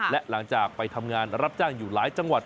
และหลังจากไปทำงานรับจ้างอยู่หลายจังหวัด